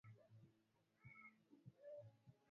gu kurejeshwa kwa mfumo wa viama vingi umezua gumzo